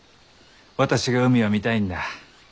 私が海を見たいんだ。